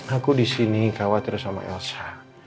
aku disini khawatir sama elsa